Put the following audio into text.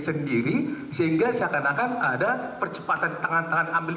sendiri sehingga seakan akan ada percepatan tangan tangan ambil